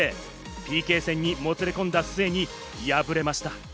ＰＫ戦にもつれ込んだ末に敗れました。